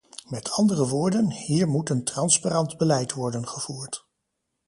Met andere woorden, hier moet een transparant beleid worden gevoerd.